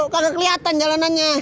kagak keliatan jalanannya